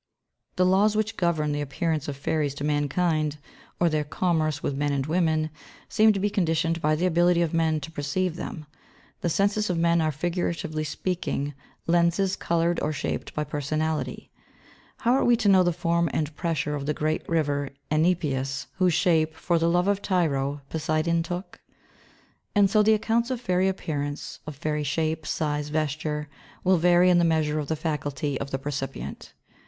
] The laws which govern the appearance of fairies to mankind or their commerce with men and women seem to be conditioned by the ability of men to perceive them. The senses of men are figuratively speaking lenses coloured or shaped by personality. How are we to know the form and pressure of the great river Enipeus, whose shape, for the love of Tyro, Poseidon took? And so the accounts of fairy appearance, of fairy shape, size, vesture, will vary in the measure of the faculty of the percipient.